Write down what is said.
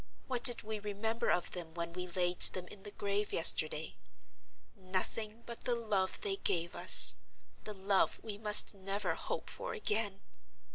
What did we remember of them when we laid them in the grave yesterday? Nothing but the love they gave us—the love we must never hope for again.